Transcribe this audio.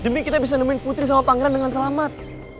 demi kita bisa nemenin putri sama pangeran dengan selamat